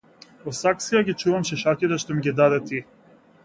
Во саксија ги чувам шишарките што ми ги даде ти.